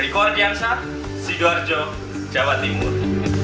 riku argyansah sidoarjo jawa timur